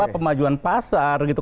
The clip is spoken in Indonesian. pemajuan pasar gitu